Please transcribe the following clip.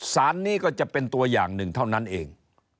สารนี้ก็จะเป็นตัวอย่างหนึ่งเท่านั้นเอง